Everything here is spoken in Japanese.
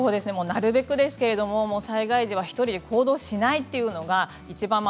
なるべくですけれども災害時は１人で行動しないというのが、いちばんの